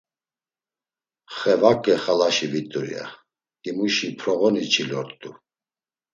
Xevaǩe xalaşi vit̆ur ya, himuşi p̌roğoni çilort̆u!